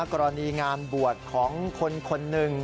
กรณีงานบวชของคนคนหนึ่ง